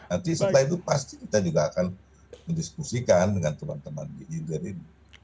nanti setelah itu pasti kita juga akan mendiskusikan dengan teman teman di hilirin